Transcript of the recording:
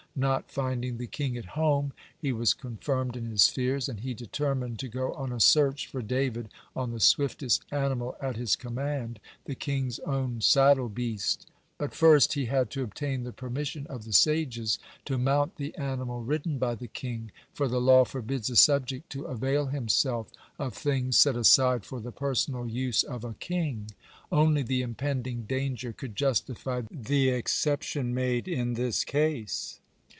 Not finding the king at home, he was confirmed in his fears, and he determined to go on a search for David on the swiftest animal at his command, the king's own saddle beast. But first he had to obtain the permission of the sages to mount the animal ridden by the king, for the law forbids a subject to avail himself of things set aside for the personal use of a king. Only the impending danger could justify the exception made in this case.